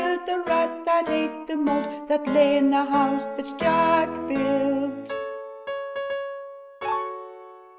re/J /U killed the rat that ate the malt, that lay iii the house that Jack built.